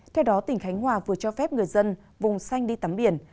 theo đó tỉnh khánh hòa vừa cho phép người dân vùng xanh đi tắm biển